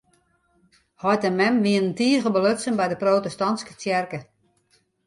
Heit en mem wiene tige belutsen by de protestantske tsjerke.